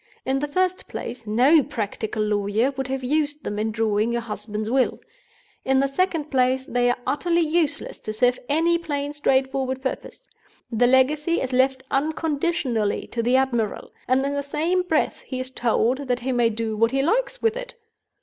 In the first place, no practical lawyer would have used them in drawing your husband's will. In the second place, they are utterly useless to serve any plain straightforward purpose. The legacy is left unconditionally to the admiral; and in the same breath he is told that he may do what he likes with it!